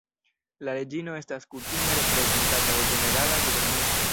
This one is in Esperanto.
La Reĝino estas kutime reprezentata de Ĝenerala Guberniestro.